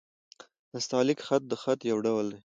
نستعلیق خط؛ د خط يو ډول دﺉ.